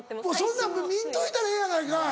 そんなん見んといたらええやないかい。